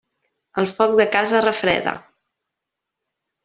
El foc de casa refreda.